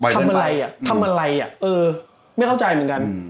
ทำอะไรอ่ะทำอะไรอ่ะเออไม่เข้าใจเหมือนกัน